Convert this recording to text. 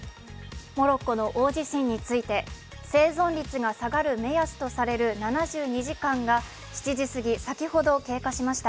モロッコの大地震について生存率が下がる目安とされる７２時間が７時すぎ、先ほど経過しました。